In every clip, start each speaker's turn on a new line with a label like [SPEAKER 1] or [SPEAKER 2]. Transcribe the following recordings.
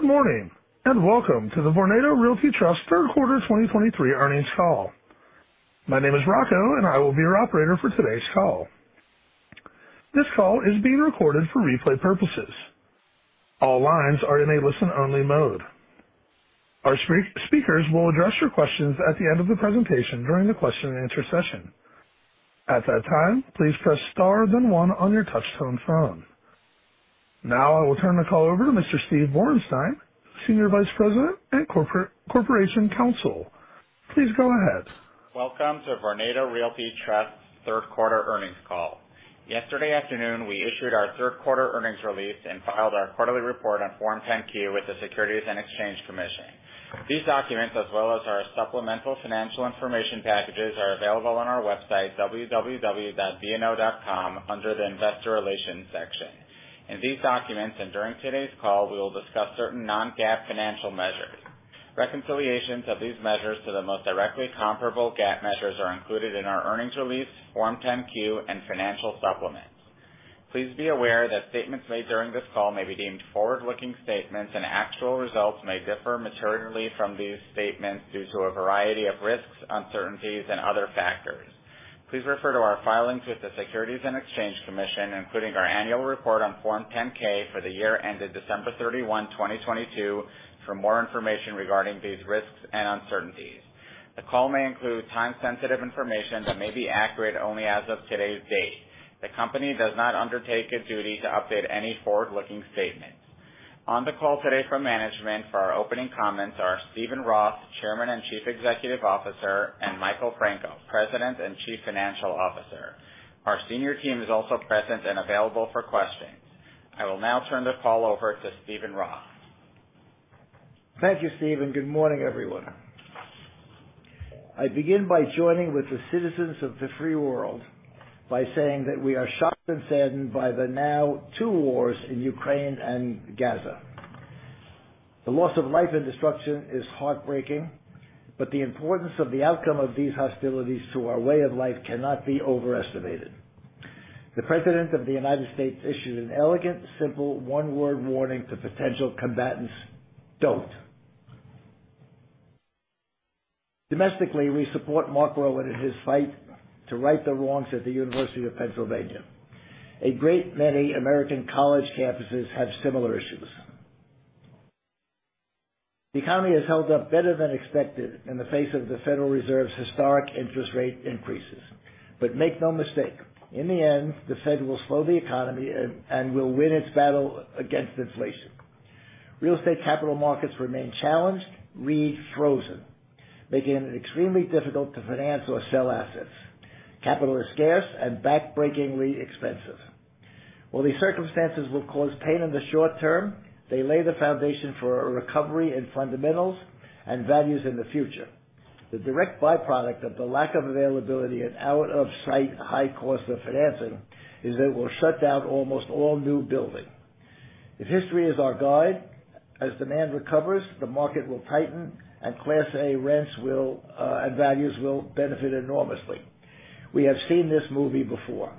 [SPEAKER 1] Good morning, and welcome to the Vornado Realty Trust Q3 2023 earnings call. My name is Rocco, and I will be your operator for today's call. This call is being recorded for replay purposes. All lines are in a listen-only mode. Our speakers will address your questions at the end of the presentation during the question and answer session. At that time, please press star then one on your touchtone phone. Now I will turn the call over to Mr. Steve Borenstein, Senior Vice President and Corporation Counsel. Please go ahead.
[SPEAKER 2] Welcome to Vornado Realty Trust's Q3 earnings call. Yesterday afternoon, we issued our Q3 earnings release and filed our quarterly report on Form 10-Q with the Securities and Exchange Commission. These documents, as well as our supplemental financial information packages, are available on our website, www.vno.com, under the Investor Relations section. In these documents and during today's call, we will discuss certain non-GAAP financial measures. Reconciliations of these measures to the most directly comparable GAAP measures are included in our earnings release, Form 10-Q and financial supplements. Please be aware that statements made during this call may be deemed forward-looking statements, and actual results may differ materially from these statements due to a variety of risks, uncertainties, and other factors. Please refer to our filings with the Securities and Exchange Commission, including our annual report on Form 10-K for the year ended December 31, 2022, for more information regarding these risks and uncertainties. The call may include time-sensitive information that may be accurate only as of today's date. The company does not undertake a duty to update any forward-looking statements. On the call today from management for our opening comments are Steven Roth, Chairman and Chief Executive Officer, and Michael Franco, President and Chief Financial Officer. Our senior team is also present and available for questions. I will now turn the call over to Steven Roth.
[SPEAKER 3] Thank you, Steven. Good morning, everyone. I begin by joining with the citizens of the free world by saying that we are shocked and saddened by the now two wars in Ukraine and Gaza. The loss of life and destruction is heartbreaking, but the importance of the outcome of these hostilities to our way of life cannot be overestimated. The President of the United States issued an elegant, simple, one-word warning to potential combatants: Don't. Domestically, we support Mark Rowan in his fight to right the wrongs at the University of Pennsylvania. A great many American college campuses have similar issues. The economy has held up better than expected in the face of the Federal Reserve's historic interest rate increases. But make no mistake, in the end, the Fed will slow the economy and will win its battle against inflation. Real estate capital markets remain challenged, rather frozen, making it extremely difficult to finance or sell assets. Capital is scarce and backbreakingly expensive. While these circumstances will cause pain in the short term, they lay the foundation for a recovery in fundamentals and values in the future. The direct byproduct of the lack of availability and out of sight, high cost of financing, is it will shut down almost all new building. If history is our guide, as demand recovers, the market will tighten, and Class A rents will, and values will benefit enormously. We have seen this movie before.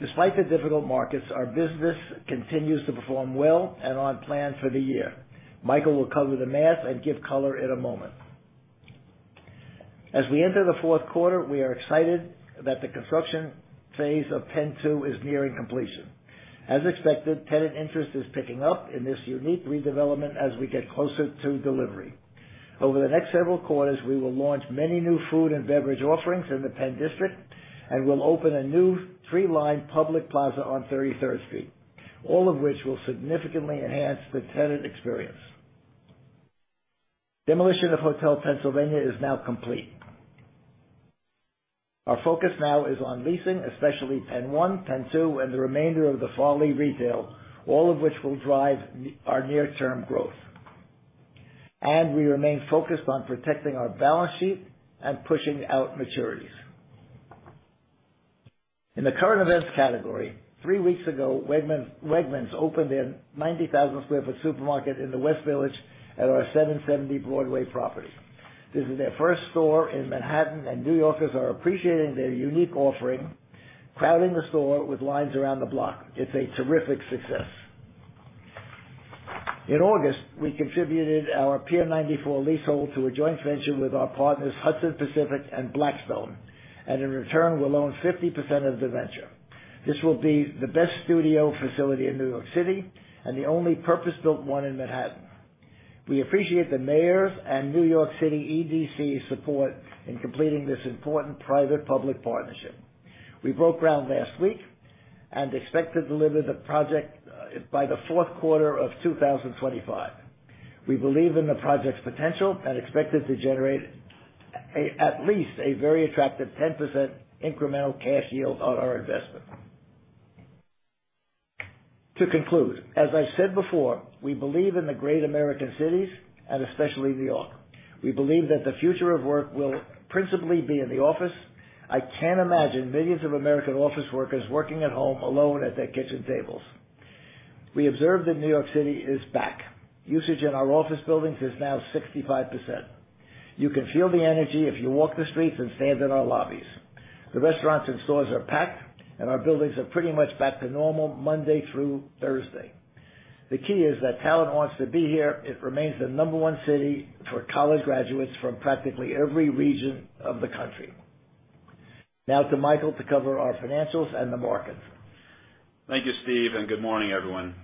[SPEAKER 3] Despite the difficult markets, our business continues to perform well and on plan for the year. Michael will cover the math and give color in a moment. As we enter the Q4, we are excited that the construction phase of PENN 2 is nearing completion. As expected, tenant interest is picking up in this unique redevelopment as we get closer to delivery. Over the next several quarters, we will launch many new food and beverage offerings in the Penn District, and we'll open a new tree-lined public plaza on Thirty-Third Street, all of which will significantly enhance the tenant experience. Demolition of Hotel Pennsylvania is now complete. Our focus now is on leasing, especially PENN 1, PENN 2, and the remainder of the Farley retail, all of which will drive our near-term growth. We remain focused on protecting our balance sheet and pushing out maturities. In the current events category, three weeks ago, Wegmans opened their 90,000 sq ft supermarket in the West Village at our 770 Broadway property. This is their first store in Manhattan, and New Yorkers are appreciating their unique offering, crowding the store with lines around the block. It's a terrific success. In August, we contributed our Pier 94 leasehold to a joint venture with our partners, Hudson Pacific and Blackstone, and in return, we'll own 50% of the venture. This will be the best studio facility in New York City and the only purpose-built one in Manhattan. We appreciate the mayor's and New York City EDC's support in completing this important private-public partnership. We broke ground last week and expect to deliver the project by the Q4 of 2025. We believe in the project's potential and expect it to generate at least a very attractive 10% incremental cash yield on our investment. To conclude, as I've said before, we believe in the great American cities and especially New York. We believe that the future of work will principally be in the office. I can't imagine millions of American office workers working at home alone at their kitchen tables. We observe that New York City is back. Usage in our office buildings is now 65%. You can feel the energy if you walk the streets and stand in our lobbies.... The restaurants and stores are packed, and our buildings are pretty much back to normal Monday through Thursday. The key is that talent wants to be here. It remains the number one city for college graduates from practically every region of the country. Now to Michael to cover our financials and the markets.
[SPEAKER 4] Thank you, Steve, and good morning, everyone.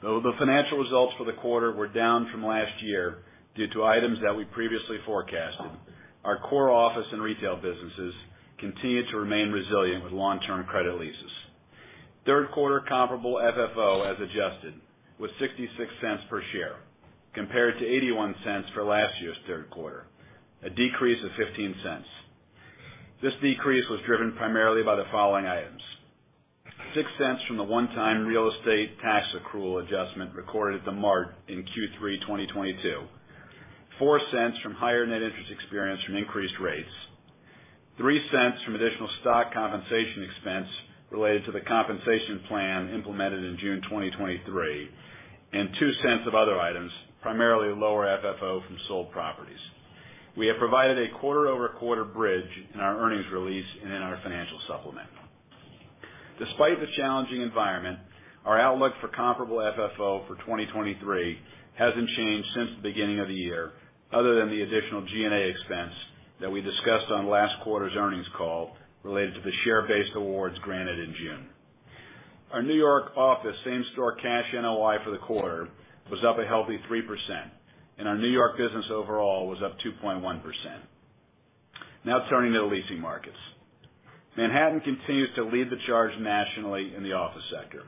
[SPEAKER 4] Though the financial results for the quarter were down from last year due to items that we previously forecasted, our core office and retail businesses continued to remain resilient with long-term credit leases. Q3 comparable FFO, as adjusted, was $0.66 per share, compared to $0.81 for last year's Q3, a decrease of $0.15. This decrease was driven primarily by the following items: $0.06 from the one-time real estate tax accrual adjustment recorded at THE MART in Q3 2022; $0.04 from higher net interest expense from increased rates; $0.03 from additional stock compensation expense related to the compensation plan implemented in June 2023, and $0.02 of other items, primarily lower FFO from sold properties. We have provided a quarter-over-quarter bridge in our earnings release and in our financial supplement. Despite the challenging environment, our outlook for comparable FFO for 2023 hasn't changed since the beginning of the year, other than the additional G&A expense that we discussed on last quarter's earnings call, related to the share-based awards granted in June. Our New York office same-store cash NOI for the quarter was up a healthy 3%, and our New York business overall was up 2.1%. Now turning to the leasing markets. Manhattan continues to lead the charge nationally in the office sector.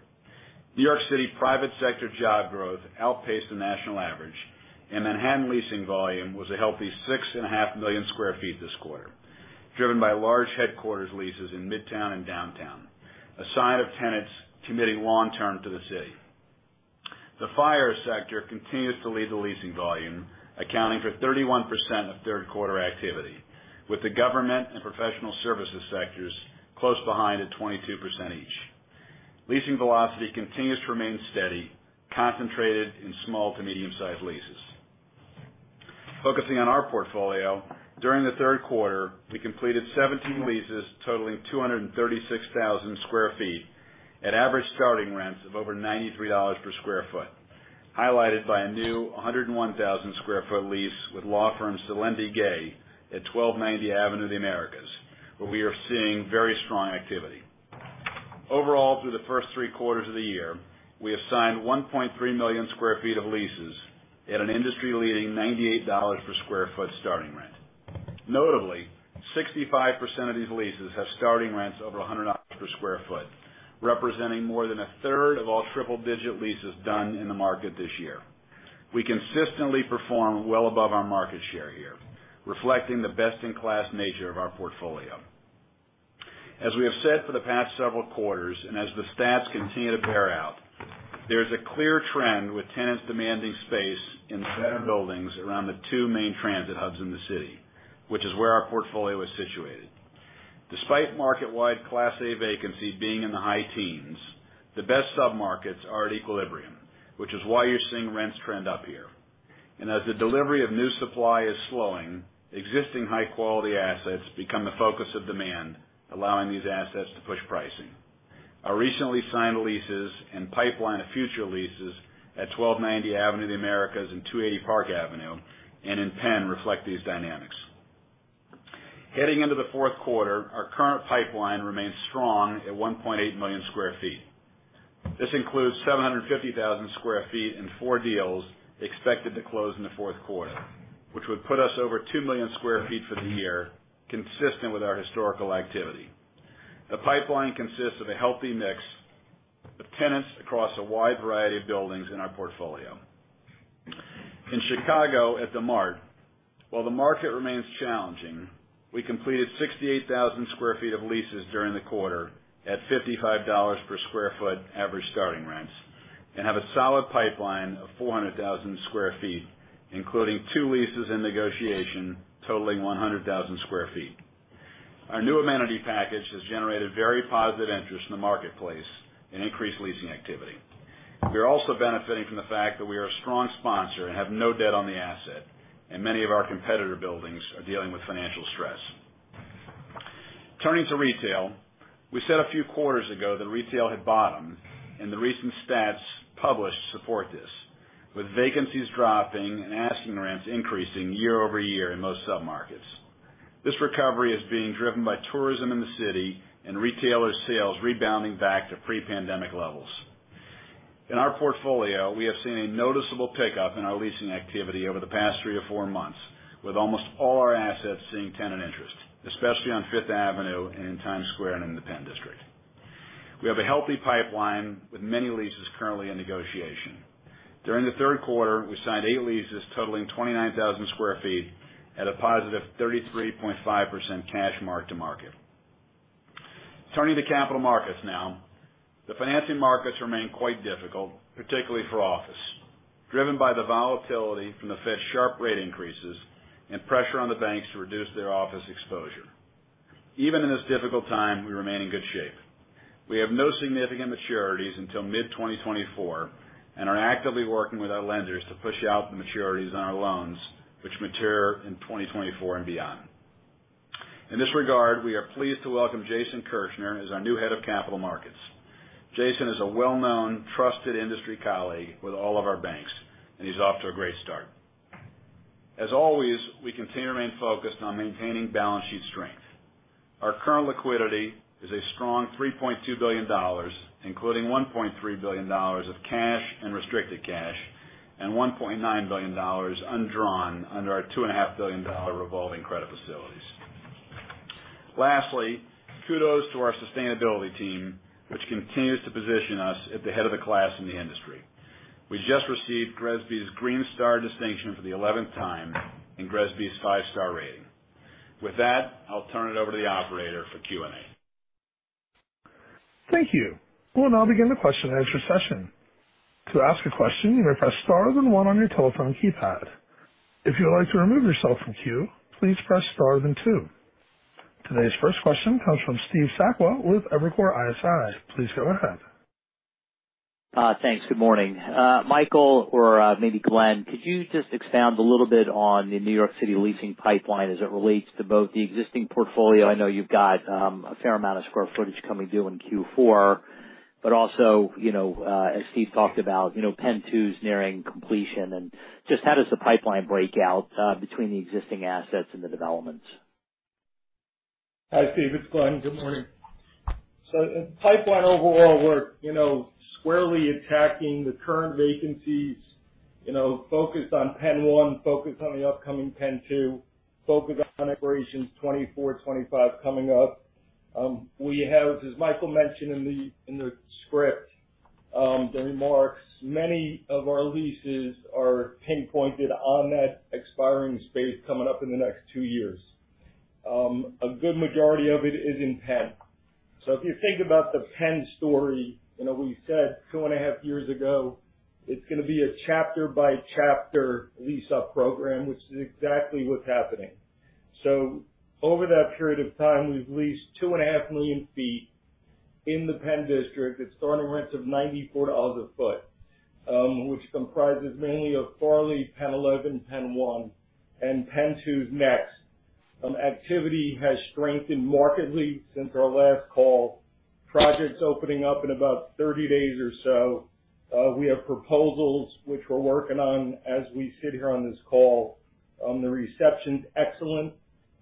[SPEAKER 4] New York City private sector job growth outpaced the national average, and Manhattan leasing volume was a healthy 6.5 million sq ft this quarter, driven by large headquarters leases in Midtown and Downtown, a sign of tenants committing long term to the city. The FIRE sector continues to lead the leasing volume, accounting for 31% of Q3 activity, with the government and professional services sectors close behind at 22% each. Leasing velocity continues to remain steady, concentrated in small to medium-sized leases. Focusing on our portfolio, during the Q3, we completed 17 leases totaling 236,000 sq ft at average starting rents of over $93 per sq ft, highlighted by a new 101,000 sq ft lease with law firm Selendy Gay at 1290 Avenue of the Americas, where we are seeing very strong activity. Overall, through the first three quarters of the year, we have signed 1.3 million sq ft of leases at an industry-leading $98 per sq ft starting rent. Notably, 65% of these leases have starting rents over $100 per sq ft, representing more than a third of all triple-digit leases done in the market this year. We consistently perform well above our market share here, reflecting the best-in-class nature of our portfolio. As we have said for the past several quarters, and as the stats continue to bear out, there's a clear trend with tenants demanding space in better buildings around the two main transit hubs in the city, which is where our portfolio is situated. Despite market-wide Class A vacancy being in the high teens, the best submarkets are at equilibrium, which is why you're seeing rents trend up here. And as the delivery of new supply is slowing, existing high-quality assets become the focus of demand, allowing these assets to push pricing. Our recently signed leases and pipeline of future leases at 1290 Avenue of the Americas and 280 Park Avenue and in Penn reflect these dynamics. Heading into the Q4, our current pipeline remains strong at 1.8 million sq ft. This includes 750,000 sq ft in four deals expected to close in the Q4, which would put us over 2 million sq ft for the year, consistent with our historical activity. The pipeline consists of a healthy mix of tenants across a wide variety of buildings in our portfolio. In Chicago, at THE MART, while the market remains challenging, we completed 68,000 sq ft of leases during the quarter at $55 per sq ft average starting rents, and have a solid pipeline of 400,000 sq ft, including two leases in negotiation, totaling 100,000 sq ft. Our new amenity package has generated very positive interest in the marketplace and increased leasing activity. We are also benefiting from the fact that we are a strong sponsor and have no debt on the asset, and many of our competitor buildings are dealing with financial stress. Turning to retail. We said a few quarters ago that retail had bottomed, and the recent stats published support this, with vacancies dropping and asking rents increasing year over year in most submarkets. This recovery is being driven by tourism in the city and retailer sales rebounding back to pre-pandemic levels. In our portfolio, we have seen a noticeable pickup in our leasing activity over the past 3-4 months, with almost all our assets seeing tenant interest, especially on Fifth Avenue and in Times Square and in the Penn District. We have a healthy pipeline with many leases currently in negotiation. During the Q3, we signed eight leases totaling 29,000 sq ft at a +33.5% cash mark to market. Turning to capital markets now. The financing markets remain quite difficult, particularly for office, driven by the volatility from the Fed's sharp rate increases and pressure on the banks to reduce their office exposure. Even in this difficult time, we remain in good shape. We have no significant maturities until mid-2024 and are actively working with our lenders to push out the maturities on our loans, which mature in 2024 and beyond. In this regard, we are pleased to welcome Jason Kirschner as our new Head of Capital Markets. Jason is a well-known, trusted industry colleague with all of our banks, and he's off to a great start. As always, we continue to remain focused on maintaining balance sheet strength. Our current liquidity is a strong $3.2 billion, including $1.3 billion of cash and restricted cash, and $1.9 billion undrawn under our $2.5 billion revolving credit facilities. Lastly, kudos to our sustainability team, which continues to position us at the head of the class in the industry. We just received GRESB's Green Star distinction for the eleventh time in GRESB's five-star rating. With that, I'll turn it over to the operator for Q&A.
[SPEAKER 1] Thank you. We'll now begin the question and answer session. To ask a question, you may press star then one on your telephone keypad. If you'd like to remove yourself from queue, please press star then two. Today's first question comes from Steve Sakwa with Evercore ISI. Please go ahead.
[SPEAKER 5] Thanks. Good morning. Michael, or maybe Glen, could you just expound a little bit on the New York City leasing pipeline as it relates to both the existing portfolio? I know you've got a fair amount of square footage coming due in Q4, but also, you know, as Steve talked about, you know, PENN 2's nearing completion. And just how does the pipeline break out between the existing assets and the developments?
[SPEAKER 6] Hi, Steve. It's Glen. Good morning. So in the pipeline overall, we're, you know, squarely attacking the current vacancies, you know, focused on PENN 1, focused on the upcoming PENN 2, focused on expirations 2024, 2025, coming up. We have, as Michael mentioned in the script, the remarks, many of our leases are pinpointed on that expiring space coming up in the next two years. A good majority of it is in Penn. So if you think about the Penn story, you know, we said 2.5 years ago, it's gonna be a chapter-by-chapter lease-up program, which is exactly what's happening. So over that period of time, we've leased 2.5 million sq ft in the Penn District at starting rents of $94 a sq ft, which comprises mainly of Farley, PENN 11, PENN 1, and PENN 2 is next. Activity has strengthened markedly since our last call. Projects opening up in about 30 days or so. We have proposals which we're working on as we sit here on this call. The reception's excellent.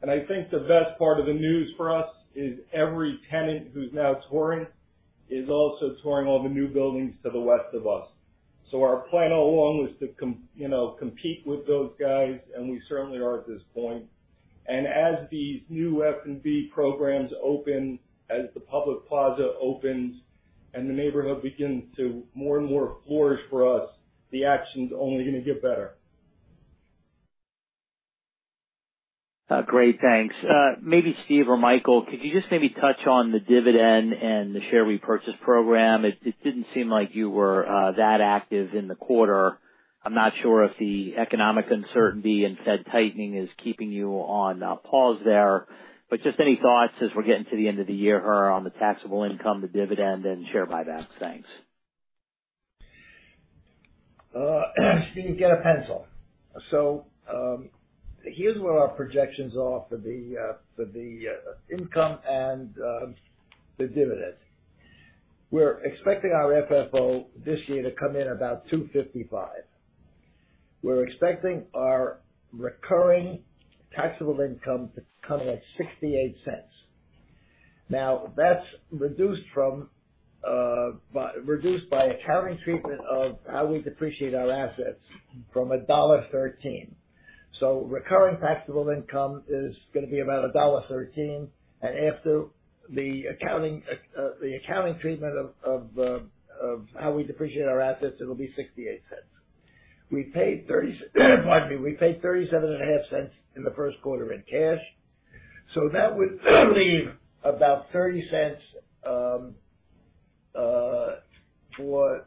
[SPEAKER 6] And I think the best part of the news for us is every tenant who's now touring is also touring all the new buildings to the west of us. So our plan all along was to compete, you know, with those guys, and we certainly are at this point. And as these new F&B programs open, as the public plaza opens, and the neighborhood begins to more and more flourish for us, the action's only gonna get better.
[SPEAKER 5] Great, thanks. Maybe Steve or Michael, could you just maybe touch on the dividend and the share repurchase program? It didn't seem like you were that active in the quarter. I'm not sure if the economic uncertainty and Fed tightening is keeping you on pause there, but just any thoughts as we're getting to the end of the year on the taxable income, the dividend, and share buyback? Thanks.
[SPEAKER 3] Steve, get a pencil. So, here's what our projections are for the income and the dividend. We're expecting our FFO this year to come in about $2.55. We're expecting our recurring taxable income to come in at $0.68. Now, that's reduced by accounting treatment of how we depreciate our assets from $1.13. So recurring taxable income is gonna be about $1.13, and after the accounting treatment of how we depreciate our assets, it'll be $0.68. We paid, pardon me, $0.375 in the Q1 in cash, so that would leave about $0.30 for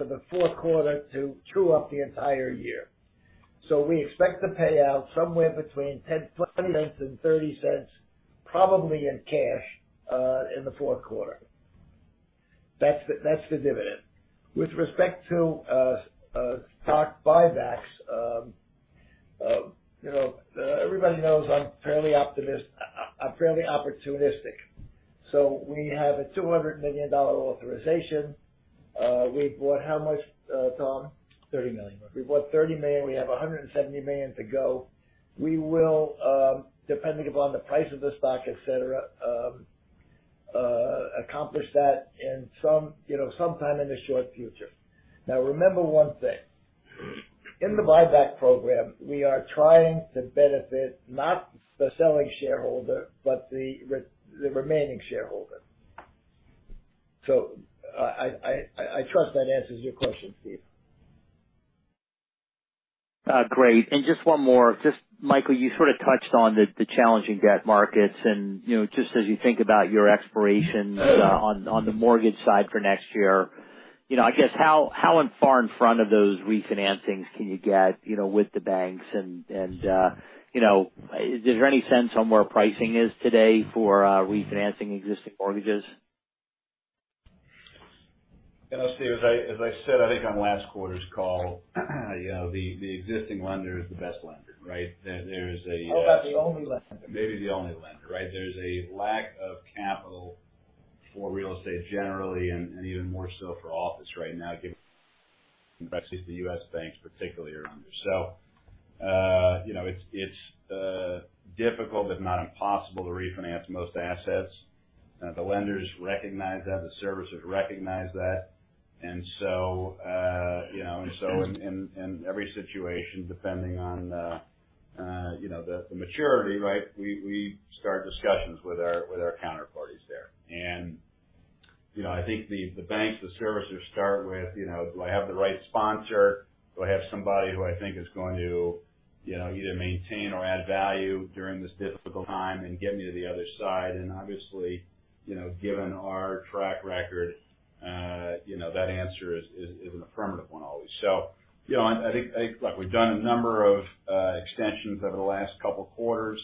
[SPEAKER 3] the Q4 to true up the entire year. So we expect to pay out somewhere between $0.10, $0.20, and $0.30, probably in cash, in the Q4. That's the dividend. With respect to stock buybacks, you know, everybody knows I'm fairly opportunistic. So we have a $200 million authorization. We've bought how much, Tom?
[SPEAKER 4] Thirty million.
[SPEAKER 3] We bought $30 million. We have $170 million to go. We will, depending upon the price of the stock, et cetera, accomplish that in some, you know, sometime in the short future. Now, remember one thing: in the buyback program, we are trying to benefit not the selling shareholder, but the remaining shareholder. So I trust that answers your question, Steve.
[SPEAKER 5] Great. And just one more: just, Michael, you sort of touched on the challenging debt markets, and, you know, just as you think about your expirations, on the mortgage side for next year, you know, I guess how far in front of those refinancings can you get, you know, with the banks, and, you know, is there any sense on where pricing is today for refinancing existing mortgages?
[SPEAKER 4] And look, Steve, as I, as I said, I think on last quarter's call, you know, the, the existing lender is the best lender, right? There, there is a,
[SPEAKER 3] How about the only lender?
[SPEAKER 4] Maybe the only lender, right? There's a lack of capital for real estate generally, and even more so for office right now, given the U.S. banks, particularly are under. So, you know, it's difficult, but not impossible to refinance most assets. The lenders recognize that, the servicers recognize that. And so, you know, in every situation, depending on, you know, the maturity, right, we start discussions with our counterparties there. And, you know, I think the banks, the servicers start with, you know, do I have the right sponsor? Do I have somebody who I think is going to, you know, either maintain or add value during this difficult time and get me to the other side? Obviously, you know, given our track record, that answer is an affirmative one, always. So, you know, I think, like, we've done a number of extensions over the last couple of quarters.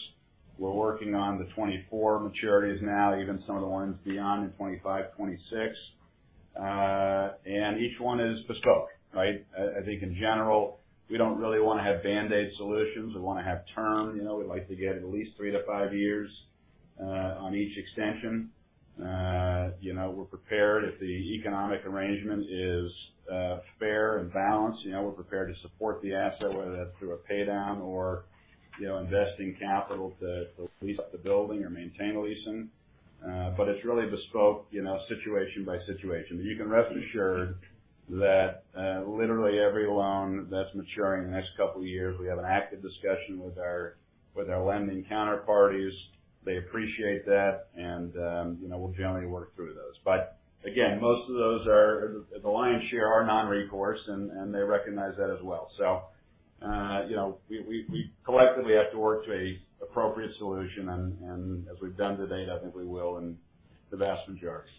[SPEAKER 4] We're working on the 2024 maturities now, even some of the ones beyond in 2025, 2026. And each one is bespoke, right? I think in general, we don't really want to have band-aid solutions. We want to have term. You know, we'd like to get at least 3-5 years on each extension. You know, we're prepared if the economic arrangement is fair and balanced, you know, we're prepared to support the asset, whether that's through a pay down or, you know, investing capital to lease up the building or maintain a leasing. But it's really bespoke, you know, situation by situation. But you can rest assured that literally every loan that's maturing in the next couple of years, we have an active discussion with our lending counterparties. They appreciate that, and you know, we'll generally work through those. But again, most of those are the lion's share are non-recourse, and they recognize that as well. So, you know, we collectively have to work to an appropriate solution, and as we've done to date, I think we will in the vast majority.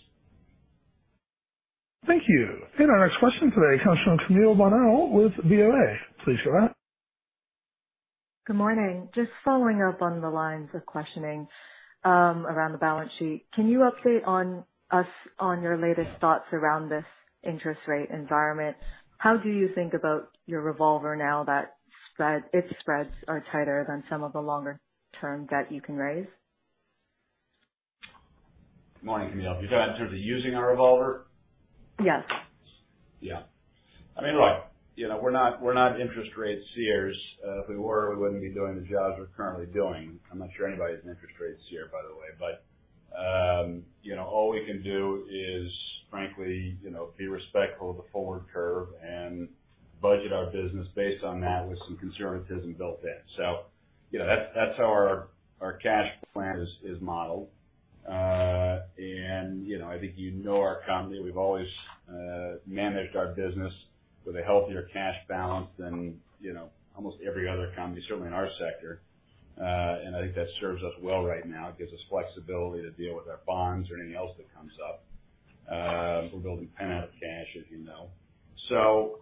[SPEAKER 1] Thank you. Our next question today comes from Camille Bonnel with BOA. Please go ahead.
[SPEAKER 7] Good morning. Just following up on the lines of questioning around the balance sheet. Can you update us on your latest thoughts around this interest rate environment? How do you think about your revolver now that spread-- its spreads are tighter than some of the longer-term debt you can raise?
[SPEAKER 4] Good morning, Camille. You're talking in terms of using our revolver?
[SPEAKER 7] Yes.
[SPEAKER 4] Yeah. I mean, look, you know, we're not, we're not interest rate seers. If we were, we wouldn't be doing the jobs we're currently doing. I'm not sure anybody's an interest rate seer, by the way. But, you know, all we can do is frankly, you know, be respectful of the forward curve and budget our business based on that with some conservatism built in. So, you know, that's, that's how our, our cash plan is, is modeled. And, you know, I think you know our company. We've always, managed our business with a healthier cash balance than, you know, almost every other company, certainly in our sector. And I think that serves us well right now. It gives us flexibility to deal with our bonds or anything else that comes up. We're building kind of out of cash, as you know. So,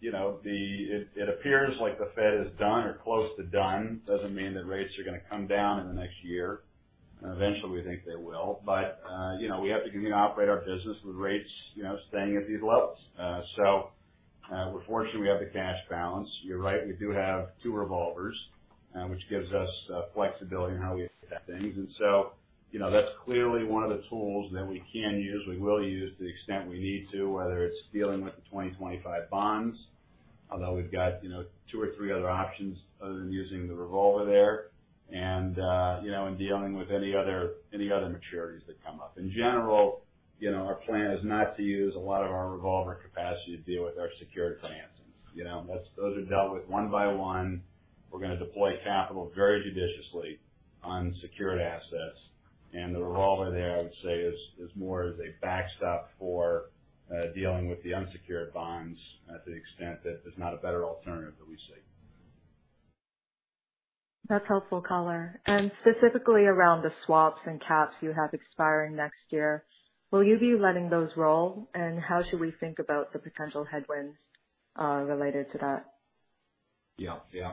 [SPEAKER 4] you know, it appears like the Fed is done or close to done. Doesn't mean that rates are going to come down in the next year. Eventually, we think they will, but, you know, we have to continue to operate our business with rates, you know, staying at these levels. So, we're fortunate we have the cash balance. You're right, we do have two revolvers, which gives us flexibility in how we attack things. And so, you know, that's clearly one of the tools that we can use. We will use to the extent we need to, whether it's dealing with the 2025 bonds, although we've got, you know, two or three other options other than using the revolver there. And, you know, in dealing with any other maturities that come up. In general, you know, our plan is not to use a lot of our revolver capacity to deal with our secured financings. You know, that's, those are dealt with one by one. We're going to deploy capital very judiciously on secured assets, and the revolver there, I would say, is more as a backstop for dealing with the unsecured bonds to the extent that there's not a better alternative that we see.
[SPEAKER 7] That's helpful color. Specifically around the swaps and caps you have expiring next year, will you be letting those roll? How should we think about the potential headwinds related to that?
[SPEAKER 4] Yeah. Yeah.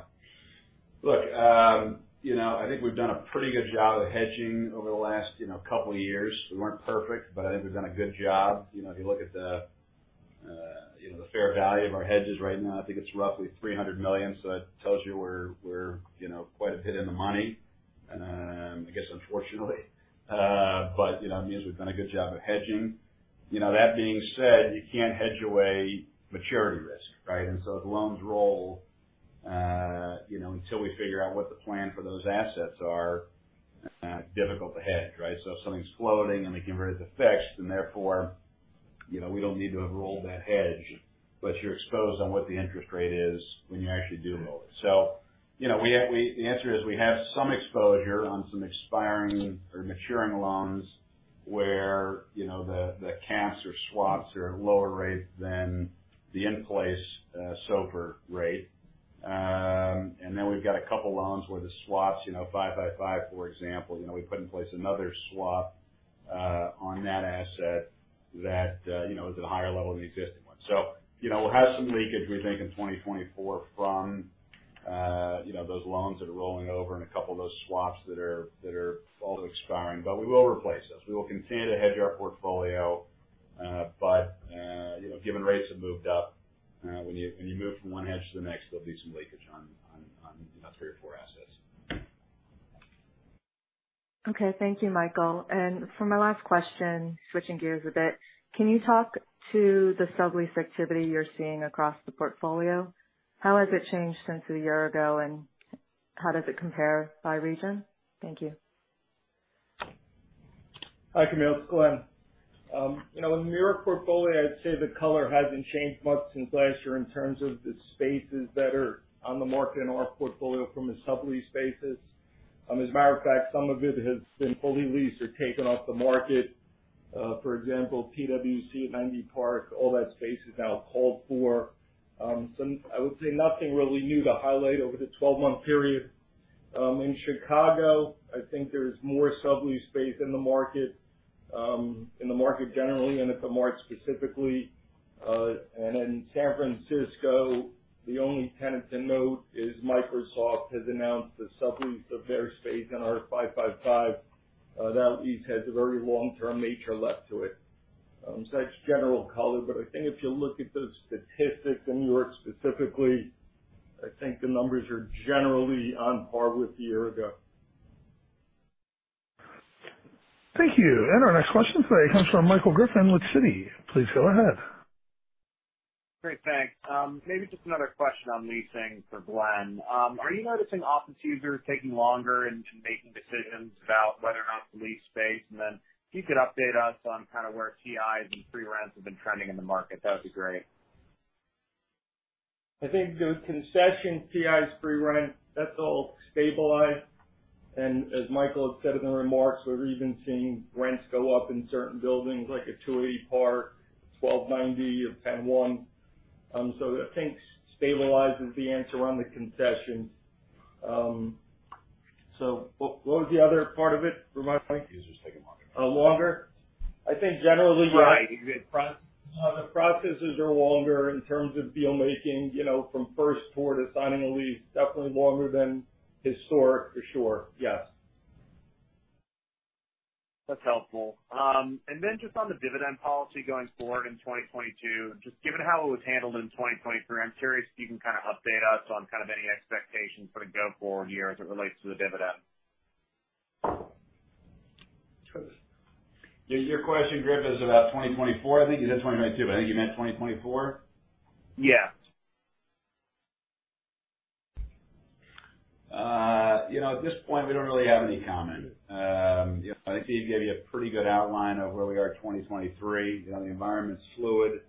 [SPEAKER 4] Look, you know, I think we've done a pretty good job of hedging over the last, you know, couple of years. We weren't perfect, but I think we've done a good job. You know, if you look at the, you know, the fair value of our hedges right now, I think it's roughly $300 million, so that tells you we're, you know, quite a bit in-the-money. I guess, unfortunately. But, you know, it means we've done a good job of hedging. You know, that being said, you can't hedge away maturity risk, right? And so if the loans roll, you know, until we figure out what the plan for those assets are, difficult to hedge, right? So if something's floating and we convert it to fixed, then therefore, you know, we don't need to roll that hedge, but you're exposed on what the interest rate is when you actually do roll it. So, you know, the answer is we have some exposure on some expiring or maturing loans where, you know, the caps or swaps are at lower rates than the in-place SOFR rate. And then we've got a couple loans where the swaps, you know, 5x5, for example, you know, we put in place another swap on that asset that, you know, is at a higher level than the existing one. So, you know, we'll have some leakage, we think, in 2024 from those loans that are rolling over and a couple of those swaps that are also expiring. But we will replace those. We will continue to hedge our portfolio, but, you know, given rates have moved up, when you move from one hedge to the next, there'll be some leakage on, you know, three or four assets.
[SPEAKER 7] Okay. Thank you, Michael. For my last question, switching gears a bit, can you talk to the sublease activity you're seeing across the portfolio? How has it changed since a year ago, and how does it compare by region? Thank you.
[SPEAKER 6] Hi, Camille. It's Glen. You know, in New York portfolio, I'd say the color hasn't changed much since last year in terms of the spaces that are on the market in our portfolio from a sublease basis. As a matter of fact, some of it has been fully leased or taken off the market. For example, PwC at 90 Park Avenue, all that space is now called for. Some—I would say nothing really new to highlight over the twelve-month period. In Chicago, I think there's more sublease space in the market, in the market generally, and at THE MART specifically. And in San Francisco, the only tenant to note is Microsoft has announced a sublease of their space in our 555 California Street. That lease has a very long-term nature left to it. So that's general color, but I think if you look at the statistics in New York specifically, I think the numbers are generally on par with a year ago.
[SPEAKER 1] Thank you. Our next question today comes from Michael Griffin with Citi. Please go ahead.
[SPEAKER 8] Great. Thanks. Maybe just another question on leasing for Glen. Are you noticing office users taking longer in making decisions about whether or not to lease space? And then, if you could update us on kind of where TIs and free rents have been trending in the market, that would be great.
[SPEAKER 6] I think the concession TIs, free rent, that's all stabilized. And as Michael had said in the remarks, we're even seeing rents go up in certain buildings like at 280 Park, 1290 or 101. So I think stabilizing is the answer on the concessions. So what, what was the other part of it, for my point?
[SPEAKER 4] Users taking longer.
[SPEAKER 6] Longer? I think generally-
[SPEAKER 8] Right, the proc-
[SPEAKER 6] The processes are longer in terms of deal making, you know, from first tour to signing a lease. Definitely longer than historic, for sure. Yes.
[SPEAKER 8] That's helpful. And then just on the dividend policy going forward in 2022, just given how it was handled in 2023, I'm curious if you can kind of update us on kind of any expectations for the go-forward year as it relates to the dividend?
[SPEAKER 4] Is your question, Griffin, about 2024? I think you said 2022, but I think you meant 2024.
[SPEAKER 8] Yeah.
[SPEAKER 4] You know, at this point, we don't really have any comment. You know, I think Steve gave you a pretty good outline of where we are in 2023. You know, the environment's fluid.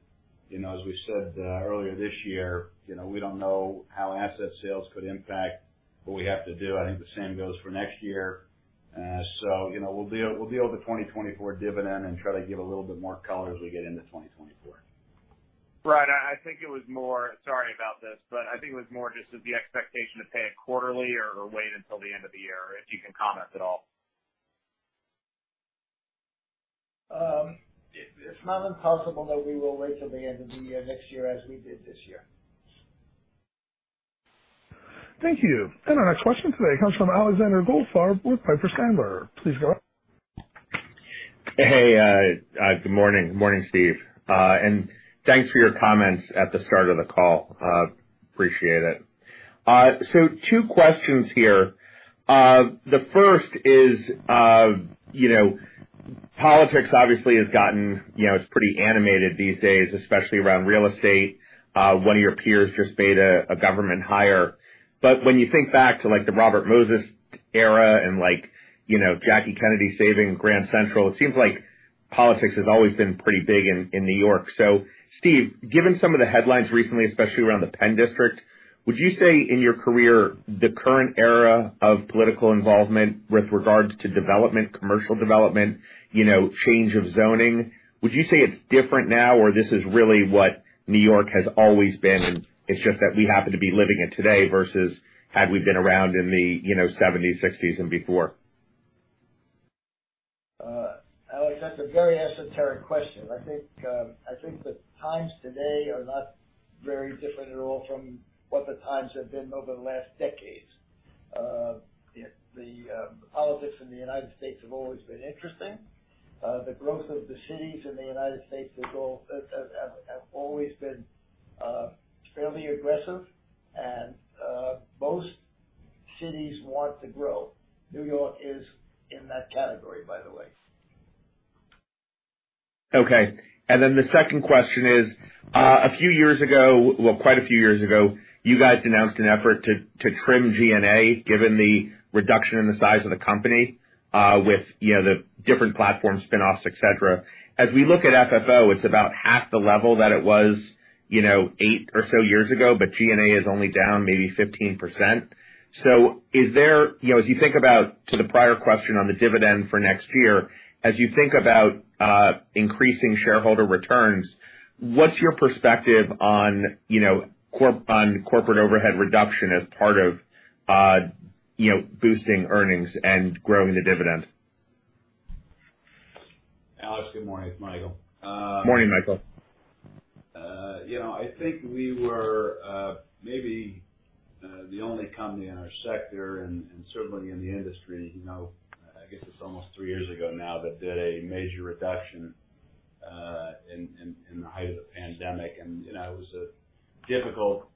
[SPEAKER 4] You know, as we said, earlier this year, you know, we don't know how asset sales could impact what we have to do. I think the same goes for next year. So, you know, we'll deal, we'll deal with the 2024 dividend and try to give a little bit more color as we get into 2024.
[SPEAKER 8] Right. I think it was more... Sorry about this, but I think it was more just the expectation to pay it quarterly or wait until the end of the year, if you can comment at all.
[SPEAKER 6] It's not impossible that we will wait till the end of the year, next year, as we did this year.
[SPEAKER 1] Thank you. Our next question today comes from Alexander Goldfarb with Piper Sandler. Please go ahead.
[SPEAKER 9] Hey, good morning. Good morning, Steve, and thanks for your comments at the start of the call. Appreciate it. So two questions here. The first is, you know, politics obviously has gotten, you know, it's pretty animated these days, especially around real estate. One of your peers just made a government hire. But when you think back to, like, the Robert Moses era and, like, you know, Jackie Kennedy saving Grand Central, it seems like politics has always been pretty big in New York. So, Steve, given some of the headlines recently, especially around the Penn District, would you say in your career, the current era of political involvement with regards to development, commercial development, you know, change of zoning, would you say it's different now, or this is really what New York has always been, and it's just that we happen to be living it today versus had we been around in the, you know, seventies, sixties, and before?
[SPEAKER 3] Alex, that's a very esoteric question. I think, I think the times today are not very different at all from what the times have been over the last decades. The politics in the United States have always been interesting. The growth of the cities in the United States has always been fairly aggressive, and most cities want to grow. New York is in that category, by the way.
[SPEAKER 9] Okay. And then the second question is, a few years ago, well, quite a few years ago, you guys announced an effort to trim G&A, given the reduction in the size of the company, with, you know, the different platform spinoffs, et cetera. As we look at FFO, it's about half the level that it was, you know, eight or so years ago, but G&A is only down maybe 15%. So is there... You know, as you think about, to the prior question on the dividend for next year, as you think about, increasing shareholder returns, what's your perspective on, you know, corporate overhead reduction as part of, you know, boosting earnings and growing the dividend?
[SPEAKER 4] Alex, good morning. It's Michael.
[SPEAKER 9] Morning, Michael.
[SPEAKER 4] You know, I think we were maybe the only company in our sector and certainly in the industry, you know, I guess it's almost three years ago now that did a major reduction in the height of the pandemic. And, you know, it was a difficult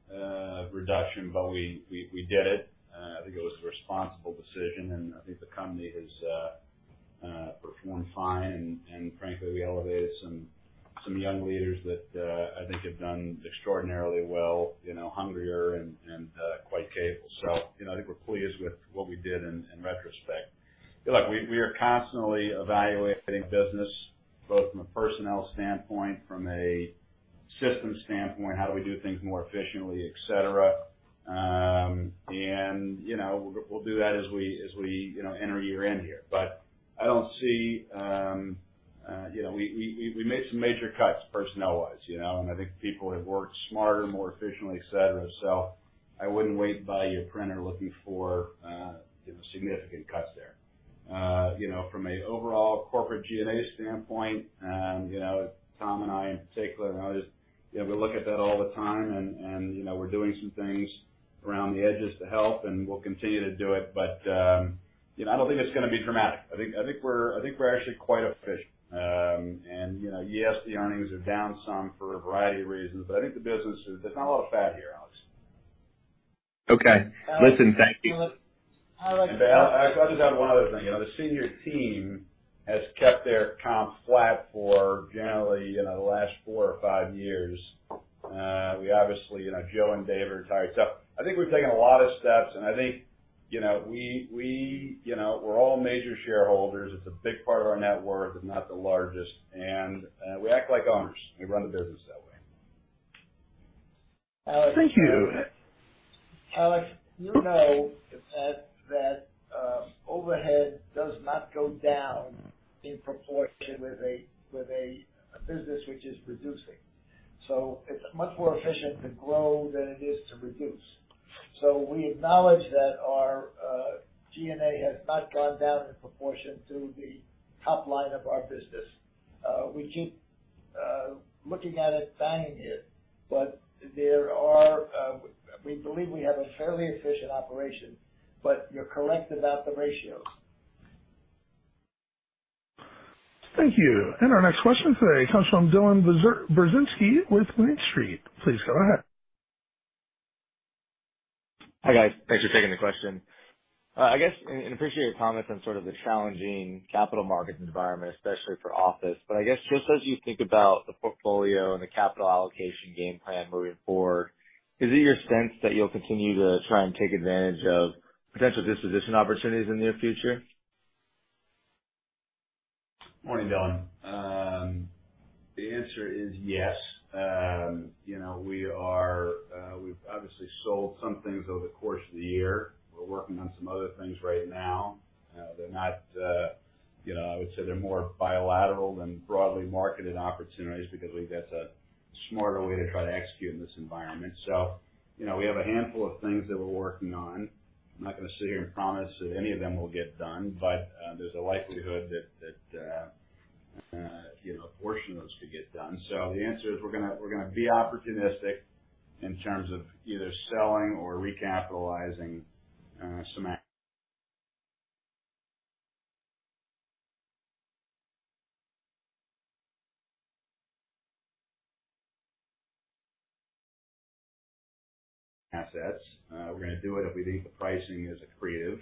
[SPEAKER 4] reduction, but we did it. I think it was a responsible decision, and I think the company has performed fine. And, frankly, we elevated some young leaders that I think have done extraordinarily well, you know, hungrier and quite capable. So, you know, I think we're pleased with what we did in retrospect. Look, we are constantly evaluating business, both from a personnel standpoint, from a systems standpoint, how do we do things more efficiently, et cetera. And, you know, we'll do that as we, you know, enter year-end here. But I don't see... You know, we made some major cuts, personnel-wise, you know, and I think people have worked smarter, more efficiently, et cetera. So I wouldn't wait by your printer looking for, you know, significant cuts there. You know, from an overall corporate G&A standpoint, you know, Tom and I, in particular, and others, you know, we look at that all the time and, you know, we're doing some things around the edges to help, and we'll continue to do it. But, you know, I don't think it's going to be dramatic. I think we're actually quite efficient. You know, yes, the earnings are down some for a variety of reasons, but I think the business is... There's not a lot of fat here, Alex.
[SPEAKER 9] Okay. Listen, thank you.
[SPEAKER 3] I'd like.
[SPEAKER 4] I've just got one other thing. You know, the senior team has kept their comp flat for generally, you know, the last four or five years. We obviously, you know, Joe and Dave are retired, so I think we've taken a lot of steps, and I think, you know, we you know, we're all major shareholders. It's a big part of our net worth, if not the largest, and we act like owners. We run the business that way.
[SPEAKER 1] Thank you.
[SPEAKER 3] Alex, you know that overhead does not go down in proportion with a business which is reducing. So it's much more efficient to grow than it is to reduce. So we acknowledge that our G&A has not gone down in proportion to the top line of our business. We keep looking at it, banging it, but there are... We believe we have a fairly efficient operation, but you're correct about the ratios.
[SPEAKER 1] Thank you. Our next question today comes from Dylan Burzinski with Green Street. Please go ahead.
[SPEAKER 10] Hi, guys. Thanks for taking the question. I guess, and appreciate your comments on sort of the challenging capital markets environment, especially for office. But I guess, just as you think about the portfolio and the capital allocation game plan moving forward, is it your sense that you'll continue to try and take advantage of potential disposition opportunities in the near future?
[SPEAKER 4] Morning, Dylan. The answer is yes. You know, we are, we've obviously sold some things over the course of the year. We're working on some other things right now. They're not, you know, I would say they're more bilateral than broadly marketed opportunities because we think that's a smarter way to try to execute in this environment. So, you know, we have a handful of things that we're working on. I'm not going to sit here and promise that any of them will get done, but there's a likelihood that, you know, a portion of those could get done. So the answer is we're gonna, we're gonna be opportunistic in terms of either selling or recapitalizing some assets. We're gonna do it if we think the pricing is accretive.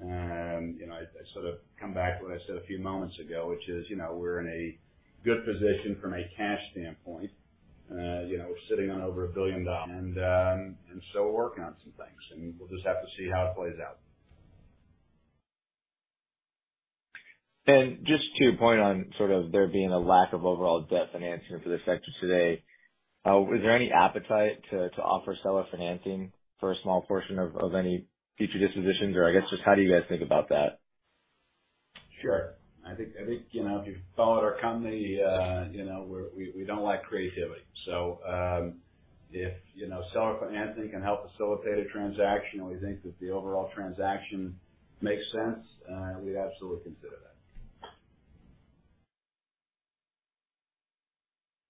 [SPEAKER 4] You know, I sort of come back to what I said a few moments ago, which is, you know, we're in a good position from a cash standpoint. You know, we're sitting on over $1 billion, and so we're working on some things, and we'll just have to see how it plays out.
[SPEAKER 10] Just to your point on sort of there being a lack of overall debt financing for this sector today, is there any appetite to offer seller financing for a small portion of any future dispositions? Or I guess, just how do you guys think about that?
[SPEAKER 4] Sure. I think, you know, if you've followed our company, you know, we don't like creativity. So, if, you know, seller financing can help facilitate a transaction and we think that the overall transaction makes sense, we'd absolutely consider that.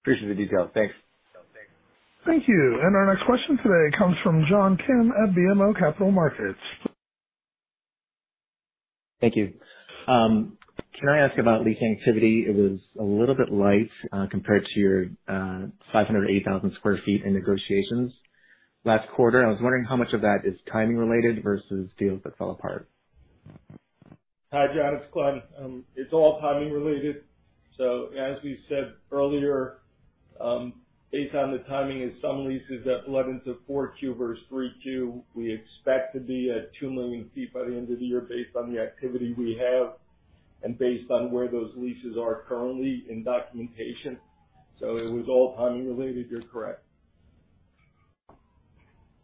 [SPEAKER 10] Appreciate the detail. Thanks.
[SPEAKER 4] Thanks.
[SPEAKER 1] Thank you. Our next question today comes from John Kim at BMO Capital Markets.
[SPEAKER 11] Thank you. Can I ask about leasing activity? It was a little bit light, compared to your, 508,000 sq ft in negotiations last quarter. I was wondering how much of that is timing related versus deals that fell apart?
[SPEAKER 6] Hi, John, it's Glen. It's all timing related. So as we said earlier, based on the timing of some leases that bled into 4Q versus 3Q, we expect to be at 2 million sq ft by the end of the year based on the activity we have and based on where those leases are currently in documentation. So it was all timing related. You're correct.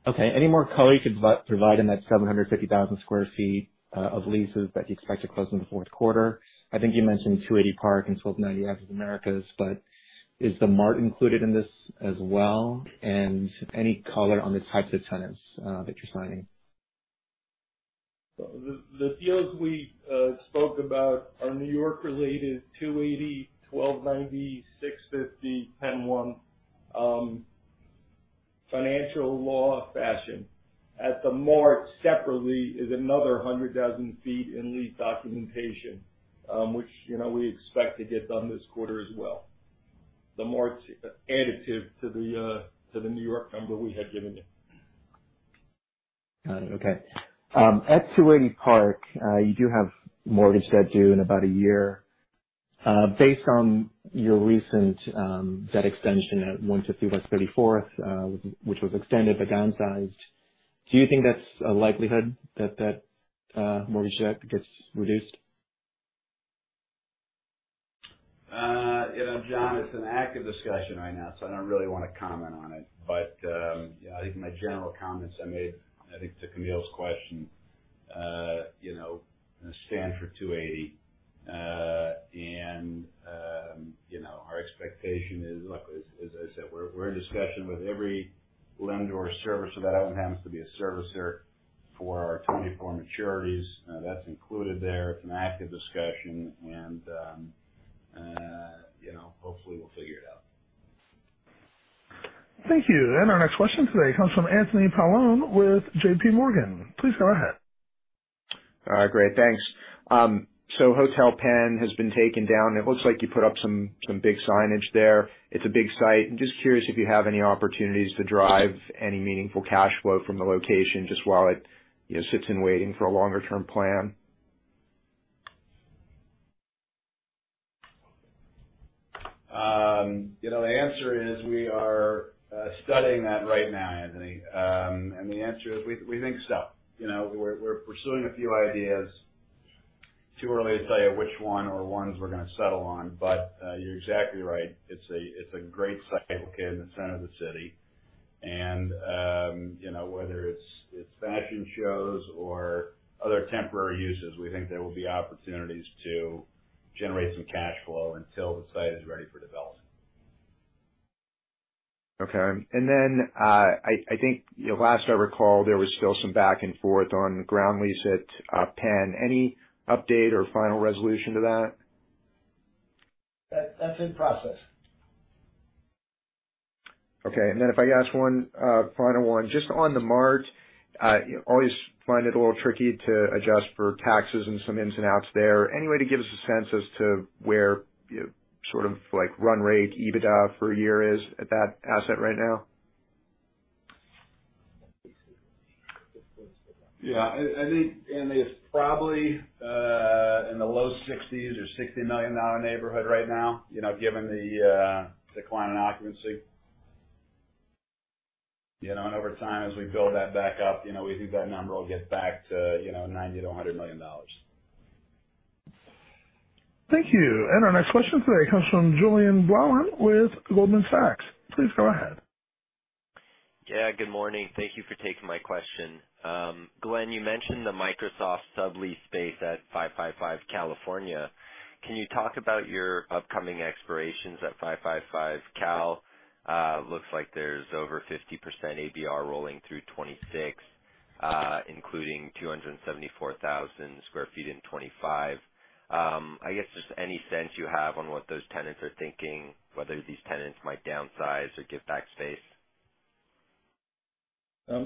[SPEAKER 11] Okay. Any more color you could provide in that 750,000 sq ft of leases that you expect to close in the Q4? I think you mentioned 280 Park and 1290 Avenue of the Americas, but is THE MART included in this as well? And any color on the types of tenants that you're signing?
[SPEAKER 6] The deals we spoke about are New York-related, 280, 1290, 650, 101, financial law, fashion. At THE MART, separately, is another 100,000 sq ft in lease documentation, which, you know, we expect to get done this quarter as well. THE MART's additive to the New York number we had given you.
[SPEAKER 11] Got it. Okay. At 280 Park, you do have mortgage debt due in about a year. Based on your recent debt extension at 150 West 34th, which was extended but downsized, do you think that's a likelihood that that mortgage debt gets reduced?
[SPEAKER 4] You know, John, it's an active discussion right now, so I don't really want to comment on it. But, you know, I think my general comments I made, I think, to Camille's question, you know, stand for 280. And, you know, our expectation is, look, as I said, we're in discussion with every lender or servicer that happens to be a servicer for our 2024 maturities. That's included there. It's an active discussion, and, you know, hopefully we'll figure it out.
[SPEAKER 1] Thank you. Our next question today comes from Anthony Paolone with JPMorgan. Please go ahead.
[SPEAKER 12] Great. Thanks. So Hotel Penn has been taken down, and it looks like you put up some big signage there. It's a big site. I'm just curious if you have any opportunities to derive any meaningful cash flow from the location, just while it, you know, sits in waiting for a longer term plan?
[SPEAKER 4] You know, the answer is we are studying that right now, Anthony. And the answer is we, we think so. You know, we're, we're pursuing a few ideas. Too early to tell you which one or ones we're gonna settle on, but you're exactly right. It's a great site. Located in the center of the city. And you know, whether it's fashion shows or other temporary uses, we think there will be opportunities to generate some cash flow until the site is ready for development.
[SPEAKER 12] Okay. And then, I think, you know, last I recall, there was still some back and forth on ground lease at Penn. Any update or final resolution to that?
[SPEAKER 3] That's in process.
[SPEAKER 12] Okay. And then if I could ask one final one, just on THE MART, I always find it a little tricky to adjust for taxes and some ins and outs there. Any way to give us a sense as to where, you know, sort of like run rate, EBITDA for a year is at that asset right now?
[SPEAKER 4] Yeah. I, I think, and it's probably in the low 60s or $60 million neighborhood right now, you know, given the decline in occupancy. You know, and over time, as we build that back up, you know, we think that number will get back to, you know, $90-$100 million.
[SPEAKER 1] Thank you. Our next question today comes from Julien Blouin with Goldman Sachs. Please go ahead.
[SPEAKER 13] Yeah, good morning. Thank you for taking my question. Glen, you mentioned the Microsoft sublease space at 555 California. Can you talk about your upcoming expirations at 555 Cal? Looks like there's over 50% ABR rolling through 2026, including 274,000 sq ft in 2025. I guess, just any sense you have on what those tenants are thinking, whether these tenants might downsize or give back space?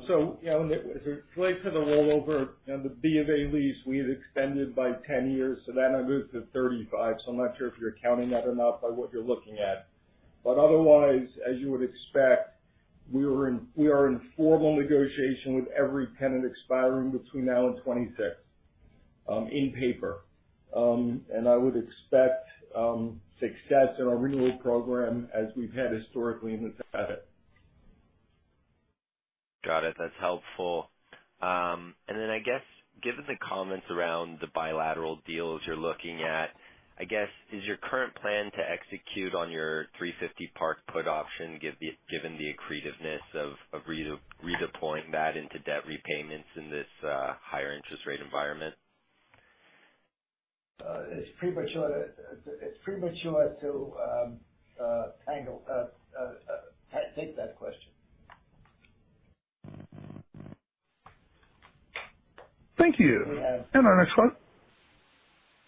[SPEAKER 4] So, you know, when it, as it relates to the rollover and the B of A lease, we have extended by 10 years, so that now moves to 35. So I'm not sure if you're accounting that or not by what you're looking at. But otherwise, as you would expect, we were in, we are in formal negotiation with every tenant expiring between now and 2026, on paper. And I would expect success in our renewal program as we've had historically in the past.
[SPEAKER 13] Got it. That's helpful. And then I guess, given the comments around the bilateral deals you're looking at, I guess, is your current plan to execute on your 350 Park put option, given the accretiveness of redeploying that into debt repayments in this higher interest rate environment?
[SPEAKER 3] It's premature to take that question.
[SPEAKER 1] Thank you.
[SPEAKER 4] We have.
[SPEAKER 1] And our next one.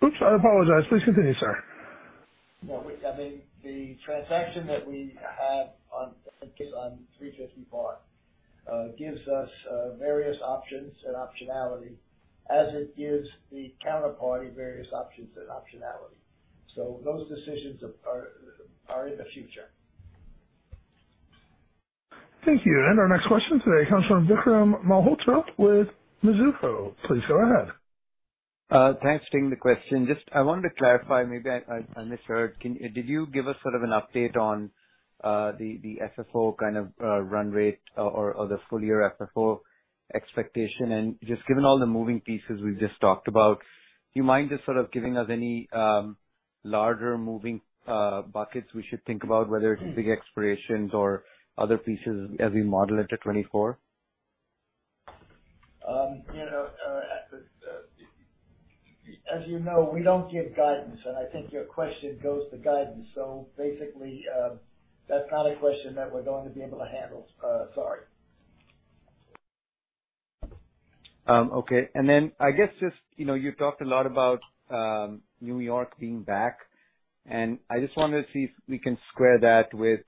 [SPEAKER 1] Oops, I apologize. Please continue, sir.
[SPEAKER 3] Well, we, I mean, the transaction that we have on 350 Park gives us various options and optionality as it gives the counterparty various options and optionality. So those decisions are in the future.
[SPEAKER 1] Thank you. And our next question today comes from Vikram Malhotra with Mizuho. Please go ahead.
[SPEAKER 14] Thanks for taking the question. Just, I wanted to clarify, maybe I misheard. Did you give us sort of an update on the FFO kind of run rate or the full year FFO expectation? And just given all the moving pieces we've just talked about, do you mind just sort of giving us any larger moving buckets we should think about, whether it's big expirations or other pieces as we model into 2024?
[SPEAKER 3] You know, as the, as you know, we don't give guidance, and I think your question goes to guidance. So basically, that's not a question that we're going to be able to handle. Sorry.
[SPEAKER 14] Okay. And then I guess just, you know, you talked a lot about New York being back, and I just wanted to see if we can square that with,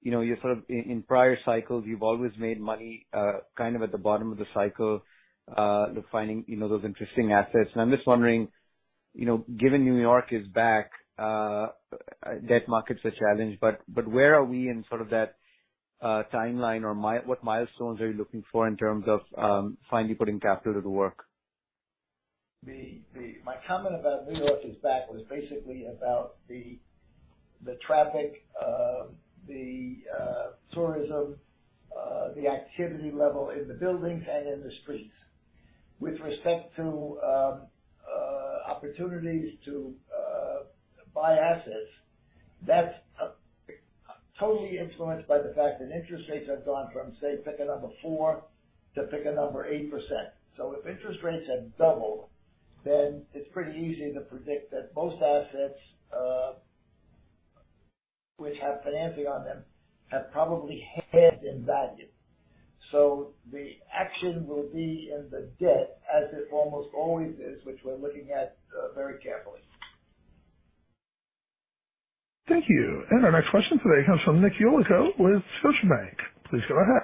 [SPEAKER 14] you know, you sort of in prior cycles, you've always made money kind of at the bottom of the cycle, finding, you know, those interesting assets. And I'm just wondering, you know, given New York is back, debt markets are challenged, but where are we in sort of that timeline? Or what milestones are you looking for in terms of finally putting capital to the work?
[SPEAKER 3] My comment about New York is back was basically about the traffic, the tourism, the activity level in the buildings and in the streets. With respect to opportunities to buy assets, that's totally influenced by the fact that interest rates have gone from, say, pick a number, 4, to pick a number, 8%. So if interest rates have doubled, then it's pretty easy to predict that most assets, which have financing on them, have probably halved in value. So the action will be in the debt, as it almost always is, which we're looking at very carefully.
[SPEAKER 1] Thank you. And our next question today comes from Nick Yulico with Scotiabank. Please go ahead.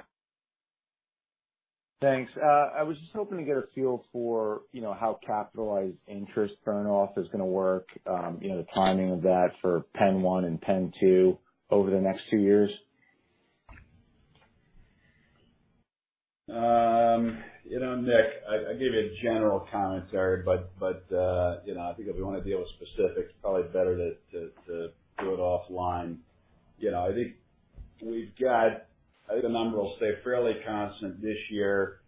[SPEAKER 15] Thanks. I was just hoping to get a feel for, you know, how capitalized interest turnoff is going to work, you know, the timing of that for PENN 1 and PENN 2 over the next two years.
[SPEAKER 4] You know, Nick, I gave you a general commentary, but you know, I think if we want to deal with specifics, it's probably better to do it offline. You know, I think we've got... I think the number will stay fairly constant this year.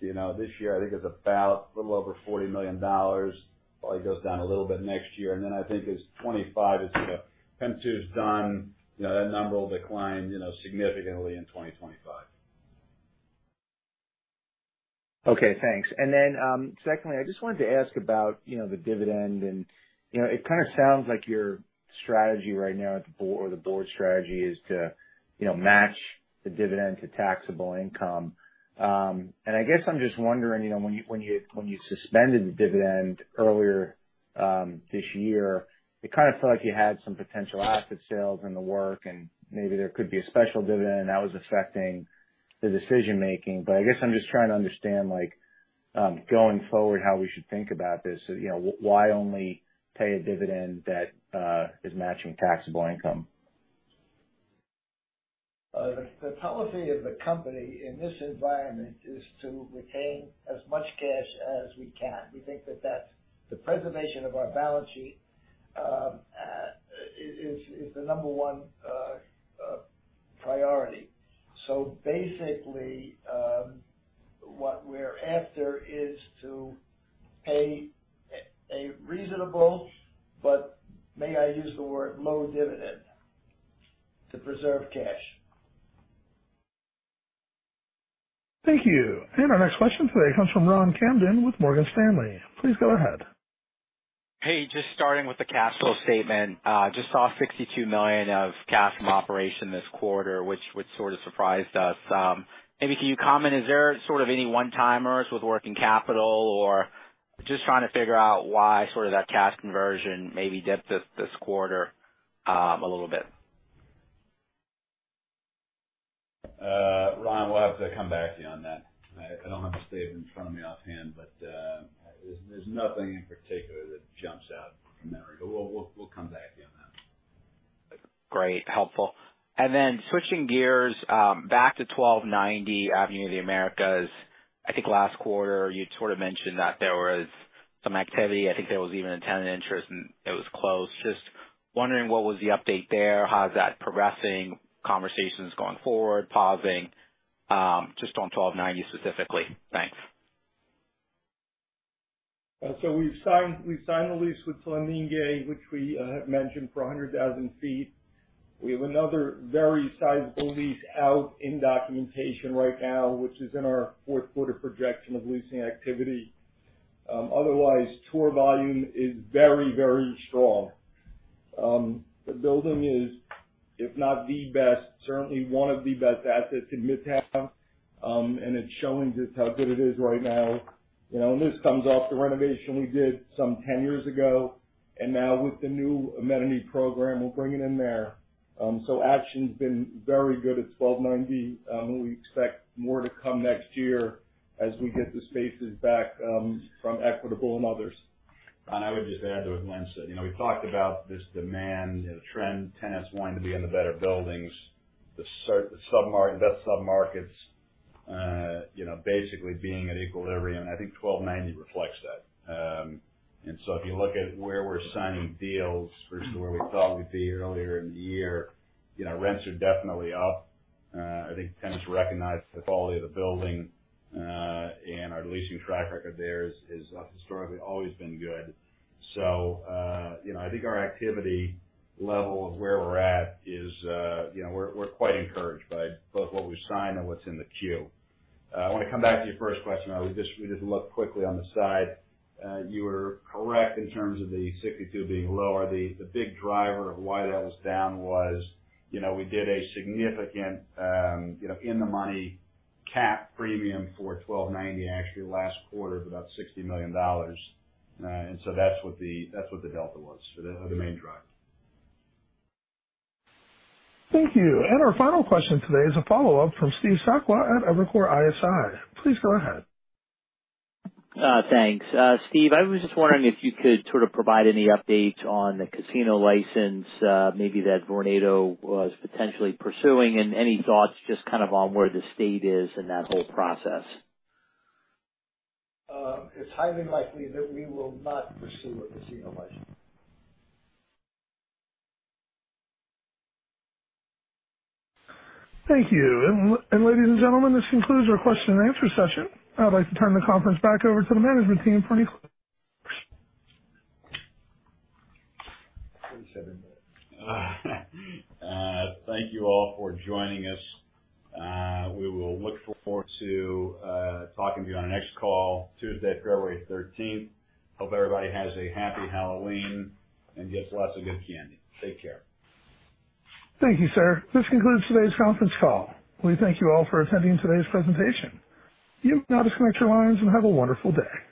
[SPEAKER 4] You know, this year, I think it's about a little over $40 million. Probably goes down a little bit next year, and then I think as 2025 is sort of PENN 2's done, you know, that number will decline, you know, significantly in 2025.
[SPEAKER 15] Okay, thanks. And then, secondly, I just wanted to ask about, you know, the dividend, and, you know, it kind of sounds like your strategy right now, or the board's strategy, is to, you know, match the dividend to taxable income. And I guess I'm just wondering, you know, when you suspended the dividend earlier, this year, it kind of felt like you had some potential asset sales in the works, and maybe there could be a special dividend, and that was affecting the decision making. But I guess I'm just trying to understand, like, going forward, how we should think about this. So, you know, why only pay a dividend that is matching taxable income?
[SPEAKER 3] The policy of the company in this environment is to retain as much cash as we can. We think that that's the preservation of our balance sheet is the number one priority. So basically, what we're after is to pay a reasonable, but may I use the word low dividend, to preserve cash.
[SPEAKER 1] Thank you. Our next question today comes from Ron Kamdem with Morgan Stanley. Please go ahead.
[SPEAKER 16] Hey, just starting with the cash flow statement, just saw $62 million of cash from operations this quarter, which sort of surprised us. Maybe can you comment, is there sort of any one-timers with working capital? Or just trying to figure out why sort of that cash conversion maybe dipped this quarter, a little bit.
[SPEAKER 4] Ron, we'll have to come back to you on that. I, I don't have the statement in front of me offhand, but, there's, there's nothing in particular that jumps out from there. But we'll, we'll, we'll come back to you on that.
[SPEAKER 16] Great, helpful. And then switching gears, back to 1290 Avenue of the Americas. I think last quarter you'd sort of mentioned that there was some activity. I think there was even a tenant interest, and it was closed. Just wondering, what was the update there? How is that progressing, conversations going forward, pausing? Just on 1290 specifically. Thanks.
[SPEAKER 3] So we've signed, we've signed a lease with Fleming, which we mentioned for 100,000 sq ft. We have another very sizable lease out in documentation right now, which is in our Q4 projection of leasing activity. Otherwise, tour volume is very, very strong. The building is, if not the best, certainly one of the best assets in Midtown. And it's showing just how good it is right now. You know, and this comes off the renovation we did some 10 years ago, and now with the new amenity program, we're bringing in there. So action's been very good at 1290, and we expect more to come next year as we get the spaces back from Equitable and others.
[SPEAKER 4] I would just add to what Glen said. You know, we talked about this demand, you know, trend, tenants wanting to be in the better buildings, the submarket, the best submarkets, you know, basically being at equilibrium. I think 1290 reflects that. And so if you look at where we're signing deals versus where we thought we'd be earlier in the year, you know, rents are definitely up. I think tenants recognize the quality of the building, and our leasing track record there has historically always been good. So, you know, I think our activity level of where we're at is, you know, we're quite encouraged by both what we've signed and what's in the queue. I want to come back to your first question. I would just. We just looked quickly on the side. You were correct in terms of the 62 being lower. The big driver of why that was down was, you know, we did a significant, you know, in the money cap premium for 1290, actually last quarter of about $60 million. And so that's what the delta was for the main driver.
[SPEAKER 1] Thank you. Our final question today is a follow-up from Steve Sakwa at Evercore ISI. Please go ahead.
[SPEAKER 5] Thanks. Steve, I was just wondering if you could sort of provide any update on the casino license, maybe that Vornado was potentially pursuing, and any thoughts just kind of on where the state is in that whole process?
[SPEAKER 3] It's highly likely that we will not pursue a casino license.
[SPEAKER 1] Thank you. And, ladies and gentlemen, this concludes our question and answer session. I'd like to turn the conference back over to the management team for any closing remarks.
[SPEAKER 4] Thank you all for joining us. We will look forward to talking to you on our next call, Tuesday, February thirteenth. Hope everybody has a happy Halloween, and get lots of good candy. Take care.
[SPEAKER 1] Thank you, sir. This concludes today's conference call. We thank you all for attending today's presentation. You can now disconnect your lines and have a wonderful day.